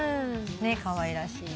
かわいらしい。